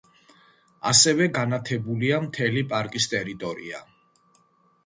ასევე განათებულია მთელი პარკის ტერიტორია.